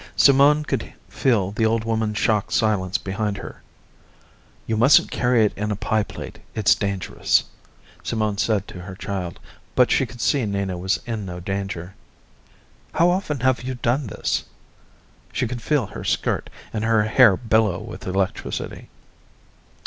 Simone could feel the old woman's shocked silence behind her. "You mustn't carry it in a pie plate, it's dangerous," Simone said to her child, but she could see Nina was in no danger. "How often have you done this?" She could feel her skirt and her hair billow with electricity.